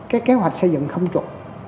cái kế hoạch xây dựng không chuẩn